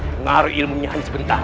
mengaruhi ilmunya hanya sebentar